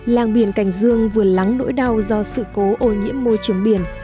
làng biển cảnh dương vừa lắng nỗi đau do sự cố ô nhiễm môi trường biển